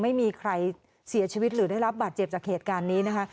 ไม่มีใครเสียชีวิตหรือได้รับบาดเจ็บจากเหตุการณ์นี้นะคะ